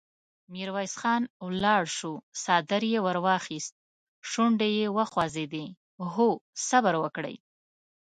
ميرويس خان ولاړ شو، څادر يې ور واخيست، شونډې يې وخوځېدې: هو! صبر وکړئ!